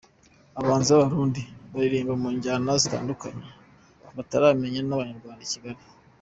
Abahanzi b’Abarundi baririmba mu njyana ya zitandukanye bataramanye n’Abanyarwanda i Kigali